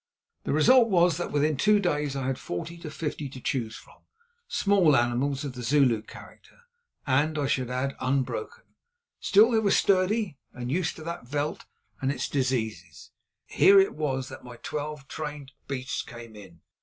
The result was that within two days I had forty or fifty to choose from, small animals of the Zulu character and, I should add, unbroken. Still they were sturdy and used to that veld and its diseases. Here it was that my twelve trained beasts came in.